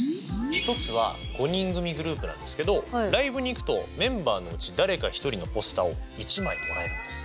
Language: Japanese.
１つは５人組グループなんですけどライブに行くとメンバーのうち誰か１人のポスターを１枚もらえるんです。